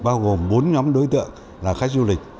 bao gồm bốn nhóm đối tượng là khách du lịch